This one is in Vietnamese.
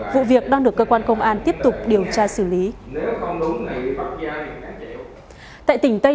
vụ việc đang được cơ quan công an tiếp tục điều tra xử lý